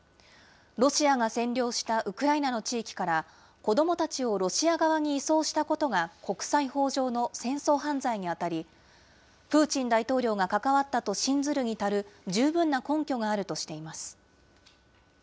ロシアが占領したウクライナの地域から、子どもたちをロシア側に移送したことが、国際法上の戦争犯罪に当たり、プーチン大統領が関わったと信ずるに足る十分な根拠があるとしています。